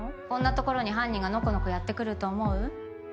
こんな所に犯人がのこのこやってくると思う？